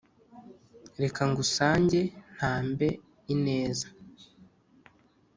reka ngusange ntambe ineza